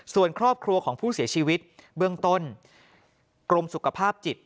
ส่วนครอบครัวของผู้เสียชีวิตเบื้องต้นกรมสุขภาพจิต